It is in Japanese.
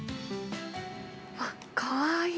あっ、かわいい。